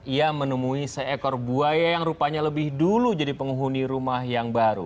ia menemui seekor buaya yang rupanya lebih dulu jadi penghuni rumah yang baru